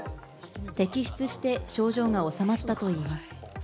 摘出して症状が治まったといいます。